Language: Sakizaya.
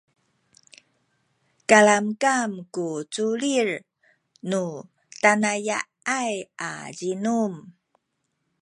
kalamkam ku culil nu tanaya’ay a zinum